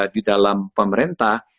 di dalam pemerintah